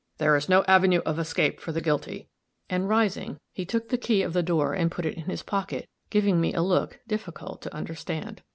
"There is no avenue of escape for the guilty," and rising, he took the key of the door and put it in his pocket, giving me a look difficult to understand.